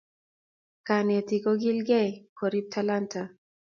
kanetik kokilikei korip talanta